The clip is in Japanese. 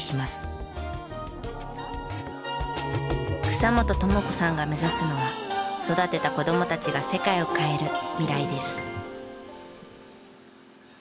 草本朋子さんが目指すのは育てた子供たちが世界を変える未来です。